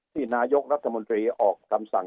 ที่นายกรัฐมนตรีออกคำสั่ง